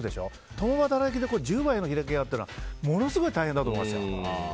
共働きで１０倍の開きがあったらものすごい大変だと思います。